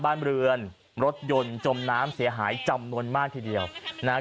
บ้านเรือนรถยนต์จมน้ำเสียหายจำนวนมากทีเดียวนะฮะ